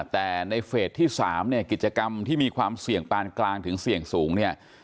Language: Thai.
แต่ในเฟสที่๓เนี่ยกิจกรรมที่มีความเสี่ยงปานกลางถึงเสี่ยงสูงเนี่ย